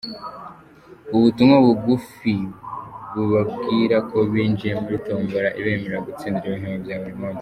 Ubu butumwa bugufi bubabwira ko binjiye muri tombora ibemerera gutsindira ibihembo bya buri munsi.